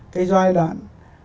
cái giai đoạn